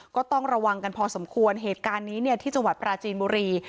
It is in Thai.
ก็ต้องระวังกันพอสมควรเหตุการณ์นี้เนี่ยที่จังหวัดปราจีนบุรี